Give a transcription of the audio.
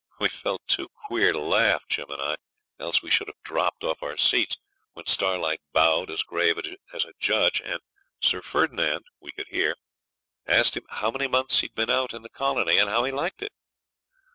We felt too queer to laugh, Jim and I, else we should have dropped off our seats when Starlight bowed as grave as a judge, and Sir Ferdinand (we could hear) asked him how many months he'd been out in the colony, and how he liked it?